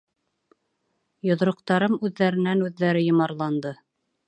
Йоҙроҡтарым үҙҙәренән-үҙҙәре йомарланды.